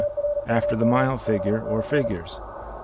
after the mile figure or figures.